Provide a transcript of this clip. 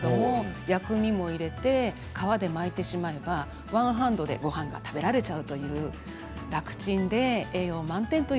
薬味を入れて皮で巻いてしまうとワンハンドでごはんが食べられる楽ちんで栄養満点です。